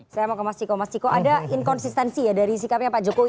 saya mau ke mas ciko mas ciko ada inkonsistensi ya dari sikapnya pak jokowi